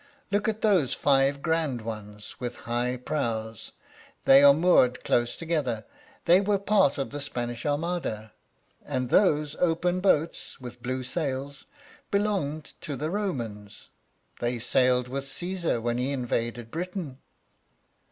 Look at those five grand ones with high prows; they are moored close together; they were part of the Spanish Armada: and those open boats with blue sails belonged to the Romans; they sailed with Cæsar when he invaded Britain."